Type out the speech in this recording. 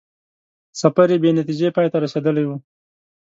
سفر یې بې نتیجې پای ته رسېدلی وو.